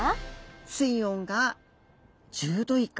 水温が１０℃以下。